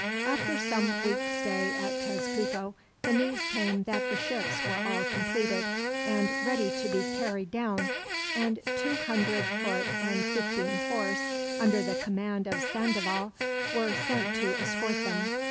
After some weeks' stay at Tezcuco, the news came that the ships were all completed, and ready to be carried down; and two hundred foot and fifteen horse, under the command of Sandoval, were sent to escort them.